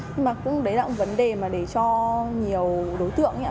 nhưng mà cũng đấy là một vấn đề để cho nhiều đối tượng